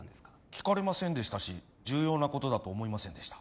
聞かれませんでしたし重要なことだと思いませんでした